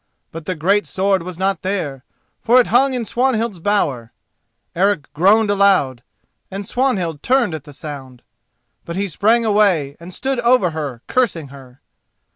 But the great sword was not there, for it hung in Swanhild's bower. Eric groaned aloud, and Swanhild turned at the sound. But he sprang away and stood over her, cursing her.